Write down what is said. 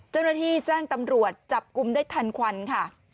เจ้าหน้าที่แจ้งตำรวจจับกลุ่มได้ทันควันค่ะ